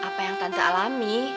apa yang tante alami